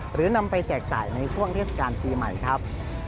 หรือนำไปแจกจ่ายในช่วงเทศกาลปีใหม่ครับ